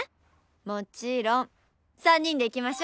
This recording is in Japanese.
もちろん３人で行きましょ！